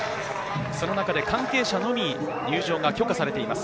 その中で関係者のみ入場が許可されています。